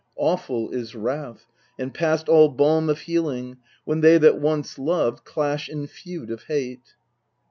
Awful is wrath, and past all balm of healing, When they that once loved clash in feud of hate.